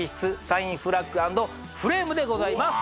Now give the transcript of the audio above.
サインフラッグ＆フレームでございます